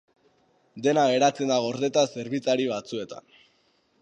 Dena geratzen da gordeta zerbitzari batzuetan.